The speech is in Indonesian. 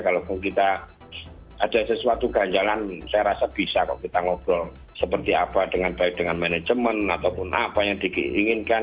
kalaupun kita ada sesuatu ganjalan saya rasa bisa kok kita ngobrol seperti apa dengan baik dengan manajemen ataupun apa yang diinginkan